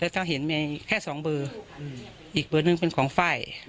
แล้วต้องเห็นแค่สองเบอร์อีกเบอร์นึงเป็นของไฟ